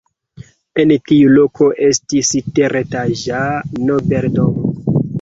En tiu loko estis teretaĝa nobeldomo.